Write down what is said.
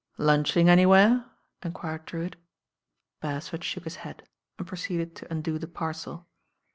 "Lunching anywhere?" enquired Drewitt Beresford shook ah head and proceeded to undo the parcel.